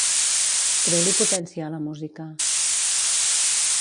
Treu-li potència a la música.